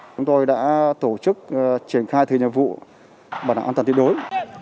chúng tôi đã tổ chức triển khai thư nhiệm vụ bản đảm an toàn tiến đối